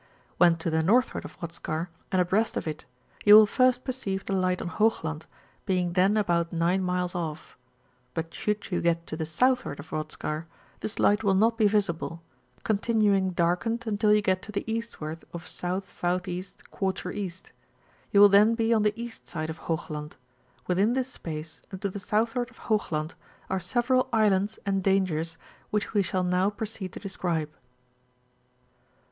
When to the northward of Rothskar, and abreast of it, you will flrst perceive the light on Hoogland, being then about 9 miles off; but should you get to the southward of Rothskar, this light will not be visible, continuing darkened imtil you get to the eastward of S.S.E. ^ E. ; you will then be on the east side of Hoog land; withm this space, and to the southward of Hoogland, are several islands and dangers, which we ^all now proceed to describe.